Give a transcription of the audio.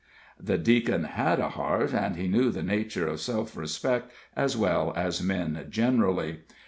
The Deacon had a heart, and he knew the nature of self respect as well as men generally.